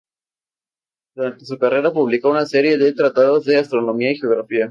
Durante su carrera publicó una serie de tratados de astronomía y geografía.